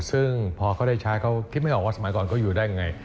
ซึ่งพอเขาได้ใช้เขาคิดไม่ออกว่าสมัยก่อนเขาอยู่ได้ยังไง